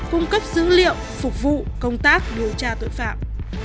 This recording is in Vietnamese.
cung cấp dữ liệu phục vụ công tác điều tra tội phạm